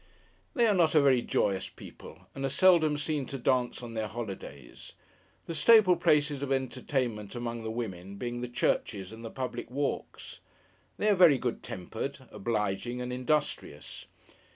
They are not a very joyous people, and are seldom seen to dance on their holidays: the staple places of entertainment among the women, being the churches and the public walks. They are very good tempered, obliging, and industrious.